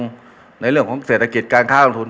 หลายเรื่องของเศรษฐกิจการค้าความทุน